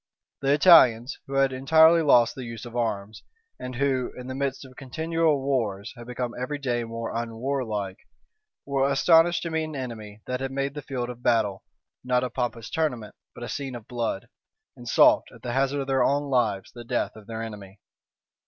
The Italians, who had entirely lost the use of arms, and who, in the midst of continual wars, had become every day more unwarlike, were astonished to meet an enemy that made the field of battle, not a pompous tournament, but a scene of blood, and sought, at the hazard of their own lives, the death of their enemy.